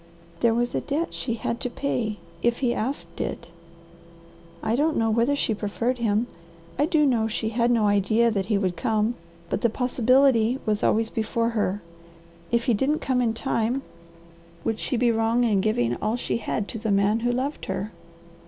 "There was a debt she had to pay if he asked it. I don't know whether she preferred him. I do know she had no idea that he would come, but the POSSIBILITY was always before her. If he didn't come in time, would she be wrong in giving all she had to the man who loved her?"